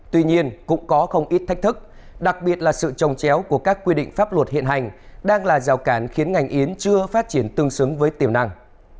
tuy nhiên cũng có không ít thách thức đặc biệt là sự trồng chéo của các quy định pháp luật hiện hành đang là rào cản khiến ngành yến chưa phát triển tương xứng với tiềm năng